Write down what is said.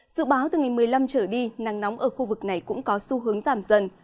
dự báo từ ngày một mươi năm trở đi nắng nóng ở khu vực này cũng có xu hướng giảm dần